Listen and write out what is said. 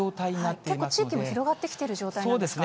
結構、地域も広がってきている状態なんですか。